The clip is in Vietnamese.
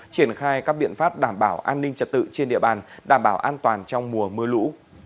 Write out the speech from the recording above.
triển khai các biện pháp đảm bảo an ninh trật tự trên địa bàn đảm bảo an toàn trong mùa mưa lũ